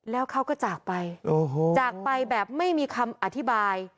แล้วเขาก็จากไปจากไปแบบไม่มีคำอธิบาย